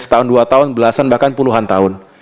setahun dua tahun belasan bahkan puluhan tahun